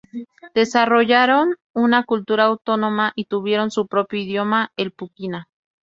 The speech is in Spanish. Desarrollaron una cultura autónoma y tuvieron su propio idioma, el "puquina".